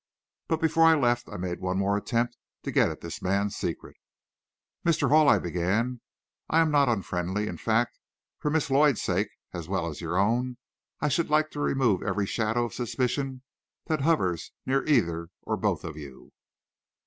But before I left I made one more attempt to get at this man's secret. "Mr. Hall," I began, "I am not unfriendly. In fact, for Miss Lloyd's sake as well as your own, I should like to remove every shadow of suspicion that hovers near either or both of you."